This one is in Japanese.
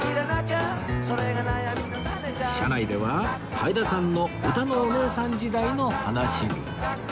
車内でははいださんのうたのおねえさん時代の話に